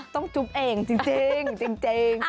ต้องจุ๊บเองจริง